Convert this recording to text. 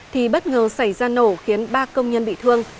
thì bất ngờ xảy ra nổ khiến ba công nhân bị thương